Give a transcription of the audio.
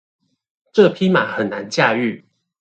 這匹馬很難駕馭